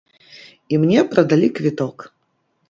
І мне прадалі квіток.